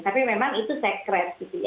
tapi memang itu sekret